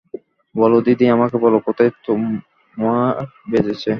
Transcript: বলো দিদি, আমাকে বলো, কোথায় তোমার বেজেছে?